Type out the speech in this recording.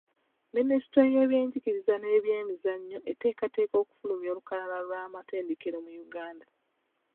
Minisitule y'ebyenjigiriza n'ebyemizannyo eteekateeka okufulumya olukalala lw'amatendekero mu Uganda.